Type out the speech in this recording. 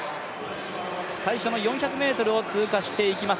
最初の４００ｍを通過していきます。